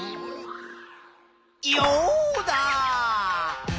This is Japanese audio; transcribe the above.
ヨウダ！